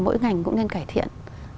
mỗi ngành cũng nên cải thiện